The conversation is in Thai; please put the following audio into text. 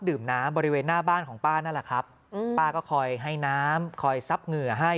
ดื่มน้ำบริเวณหน้าบ้านของป้านั่นแหละครับป้าก็คอยให้น้ำคอยซับเหงื่อให้